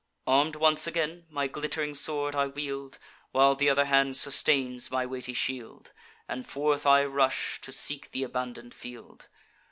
Arm'd once again, my glitt'ring sword I wield, While th' other hand sustains my weighty shield, And forth I rush to seek th' abandon'd field.